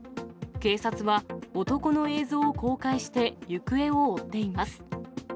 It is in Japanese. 警察は、男の映像を公開して行方を追っています。